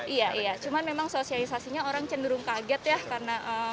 iya iya cuman memang sosialisasinya orang cenderung kaget ya